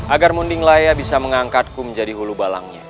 agar munding laya bisa mengangkatku menjadi ulu balangnya